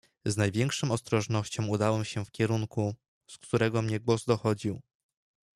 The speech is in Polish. "Z największą ostrożnością udałem się w kierunku, z którego mnie głos dochodził."